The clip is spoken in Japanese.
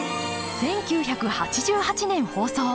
１９８８年放送。